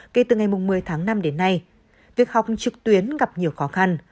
kể từ ngày một mươi tháng năm đến nay việc học trực tuyến gặp nhiều khó khăn